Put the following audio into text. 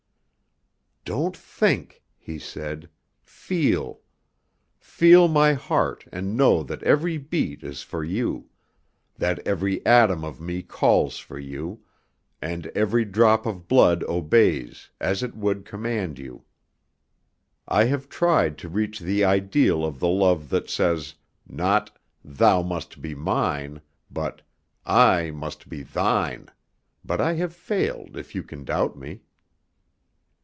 "Don't think," he said, "feel, feel my heart and know that every beat is for you, that every atom of me calls for you, and every drop of blood obeys, as it would command you. I have tried to reach the ideal of the love that says, not 'thou must be mine,' but 'I must be thine,' but I have failed if you can doubt me."